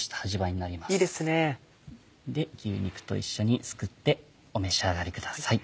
牛肉と一緒にすくってお召し上がりください。